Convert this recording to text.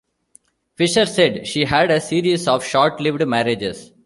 Fisher said she had a series of short-lived marriages.